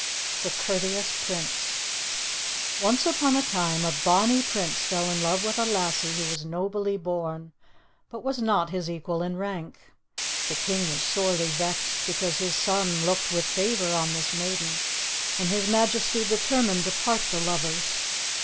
_ THE COURTEOUS PRINCE Once upon a time a bonnie Prince fell in love with a lassie who was nobly born, but was not his equal in rank. The king was sorely vexed, because his son looked with favour on this maiden, and his majesty determined to part the lovers.